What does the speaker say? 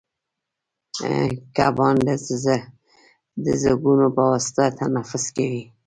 کبان د زګونو په واسطه تنفس کوي